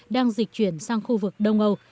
đang dịch chuyển sang khu vực đông âu